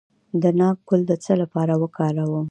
د ناک ګل د څه لپاره وکاروم؟